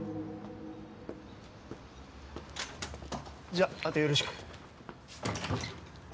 じゃああとよろしく。